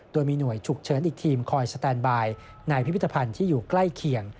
โดยมีหน่วยฉุกเฉินอีกทีมคอยสแตนบายในพิพิธภัณฑ์ที่อยู่ใกล้เคียง